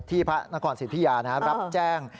พระนครสิทธิยารับแจ้ง